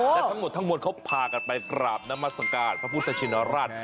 และทั้งหมดเขาพากันไปกราบนามสังการพระพุทธชินราช